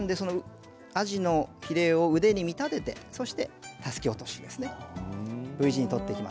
アジのヒレを腕に見立ててたすき落としです。